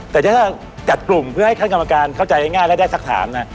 แต่ถ้าจัดกลุ่มเพื่อให้ท่านกรรมการเข้าใจง่ายและได้สักถามนะ